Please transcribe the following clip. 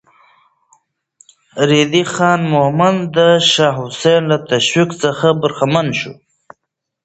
ريدی خان مومند د شاه حسين له تشويق څخه برخمن شو.